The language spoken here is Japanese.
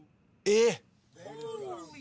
えっ。